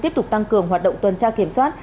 tiếp tục tăng cường hoạt động tuần tra kiểm soát